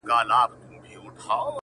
يو څو زلميو ورته هېښ کتله-